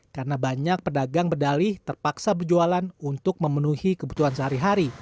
karena banyak pedagang berdalih terpaksa berjualan untuk memenuhi kebutuhan sehari hari